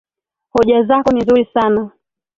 Hoja zako ni nzuri sana